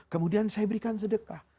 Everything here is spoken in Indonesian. kemudian saya berikan sedekah